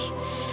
gak perlu tante